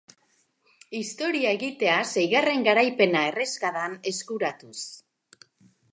Historia egitea seigarren garaipena erreskadan eskuratuz.